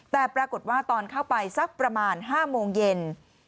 แต่ปรากฏว่าตอนเข้าไปสักประมาณ๕โมงเย็น